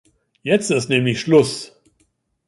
Jetzt ist nämlich Schluss!